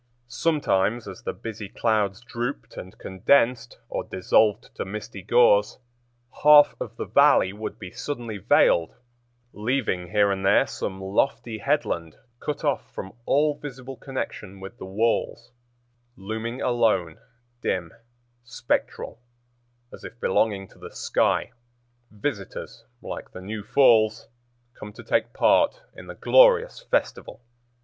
Sometimes, as the busy clouds drooped and condensed or dissolved to misty gauze, half of the Valley would be suddenly veiled, leaving here and there some lofty headland cut off from all visible connection with the walls, looming alone, dim, spectral, as if belonging to the sky—visitors, like the new falls, come to take part in the glorious festival.